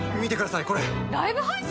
ライブ配信？